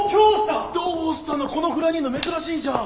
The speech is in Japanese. どうしたのこのフロアにいんの珍しいじゃん。